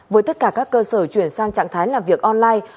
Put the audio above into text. với tất cả các cơ sở chuyển sang trạng thái làm việc online